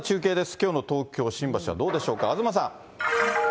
きょうの東京・新橋はどうでしょうか、東さん。